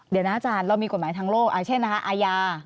เดี๋ยวนะอาจารย์เรามีกฎหมายทางโลกอาจารย์เช่นอาญา